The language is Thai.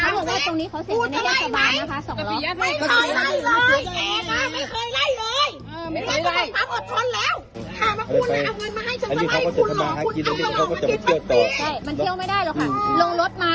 อ้อคุณดูมันแตกเนื้อต้องตัวอันนี้ขอแจ้งความนะ